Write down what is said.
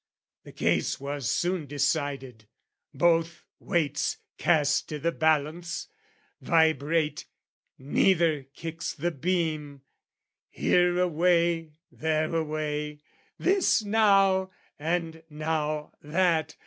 The case was soon decided: both weights, cast I' the balance, vibrate, neither kicks the beam, Here away, there away, this now and now that.